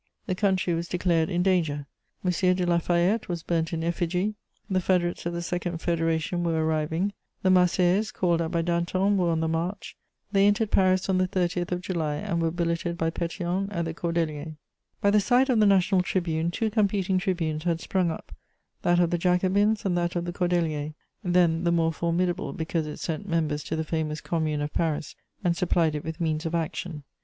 The country was declared in danger. M. de La Fayette was burnt in effigy. The federates of the second Federation were arriving; the Marseilleise, called up by Danton, were on the march: they entered Paris on the 30th of July and were billeted by Pétion at the Cordeliers. * By the side of the national tribune, two competing tribunes had sprung up: that of the Jacobins and that of the Cordeliers, then the more formidable because it sent members to the famous Commune of Paris and supplied it with means of action.